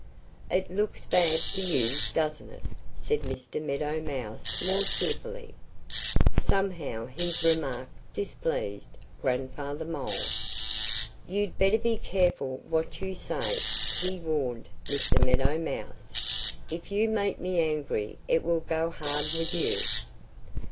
"It looks bad for you, doesn't it?" said Mr. Meadow Mouse more cheerfully. Somehow his remark displeased Grandfather Mole. "You'd better be careful what you say!" he warned Mr. Meadow Mouse. "If you make me angry it will go hard with you."